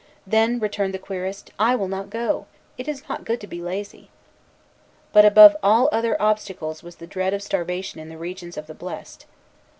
"Then," returned the querist, "I will not go. It is not good to be lazy." But above all other obstacles was the dread of starvation in the regions of the blest.